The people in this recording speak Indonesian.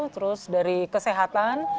terus dari kesehatan